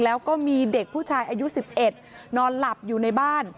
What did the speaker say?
แล้วก็มีเด็กผู้ชายอายุ๑๑นอนหลับอยู่ในบ้าน